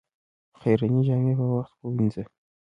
خيرنې جامې په وخت ووينځه